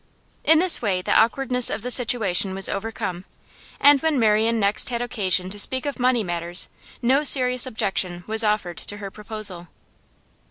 In this way the awkwardness of the situation was overcome, and when Marian next had occasion to speak of money matters no serious objection was offered to her proposal.